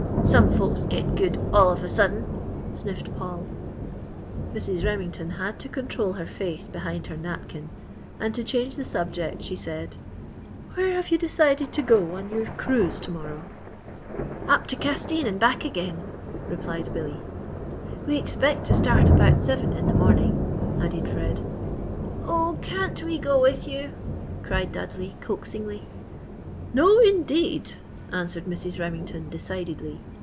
Some folks get good all of a sudden!" sniffed Paul. Mrs. Remington had to control her face behind her napkin, and to change the subject, she said: "Where have you decided to go on your cruise to morrow?" "Up to Castine and back again," replied Billy. "We expect to start about seven in the morning," added Fred. "Oh, can't we go with you?" cried Dudley, coaxingly. "No indeed!" answered Mrs. Remington, decidedly.